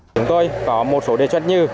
chúng tôi có một số đề chất như